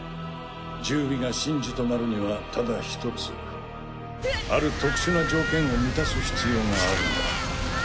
十尾が神樹となるにはただ一つある特殊な条件を満たす必要があるんだ。